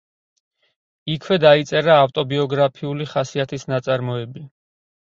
იქვე დაწერა ავტობიოგრაფიული ხასიათის ნაწარმოები.